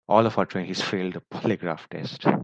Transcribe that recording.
All of our trainees failed the polygraph test.